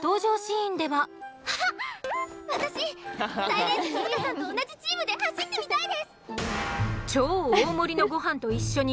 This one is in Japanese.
サイレンススズカさんと同じチームで走ってみたいです！